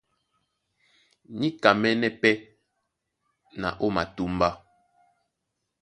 Níkamɛ́nɛ́ pɛ́ na ó matúmbá.